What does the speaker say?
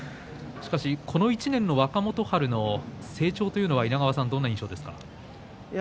この１年の若元春の成長というのは稲川さん、どんな印象ですか？